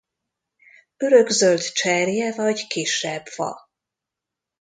Örökzöld cserje vagy kisebb fa.